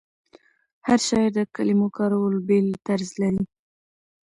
هر شاعر د کلمو کارولو بېل طرز لري.